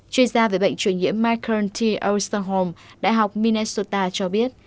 chuyên gia về bệnh truyền nhiễm michael t osterholm đại học minnesota cho biết